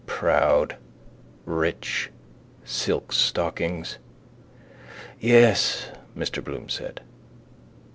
Proud: rich: silk stockings. —Yes, Mr Bloom said.